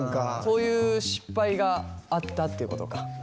そういう失敗があったっていうことか？